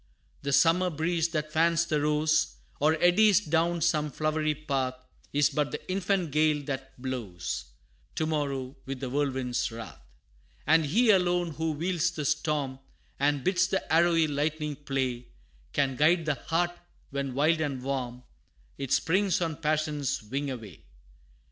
The summer breeze that fans the rose, Or eddies down some flowery path, Is but the infant gale that blows To morrow with the whirlwind's wrath. And He alone, who wields the storm, And bids the arrowy lightning play, Can guide the heart, when wild and warm, It springs on passion's wing away!